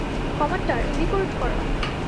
Commander, report করো!